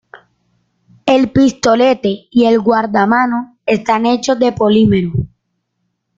El pistolete y el guardamano están hechos de polímero.